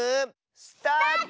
スタート！